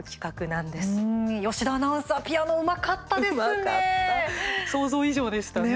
うーん、吉田アナウサーピアノうまかったですね。